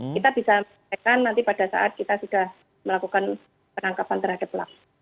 kita bisa menjelaskan nanti pada saat kita sudah melakukan penangkapan terhadap pelaku